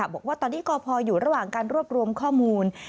บอกว่าตอนนี้กพอยู่ระหว่างการรวบรวมข้อมูล